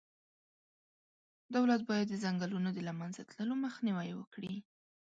دولت باید د ځنګلونو د له منځه تللو مخنیوی وکړي.